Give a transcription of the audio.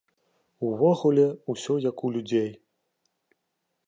Увогуле, усё як у людзей.